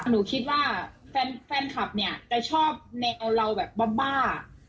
หนูคิดว่าแฟนคลับเนี่ยจะชอบแนวเอาเราแบบบ้า